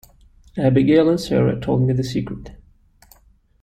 Abigail and Sara told me the secret.